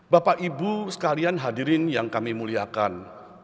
bapak ibu sekalian hadirin yang kami muliakan